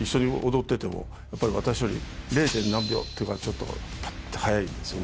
やっぱり私より０．何秒っていうかちょっとパッて速いんですよ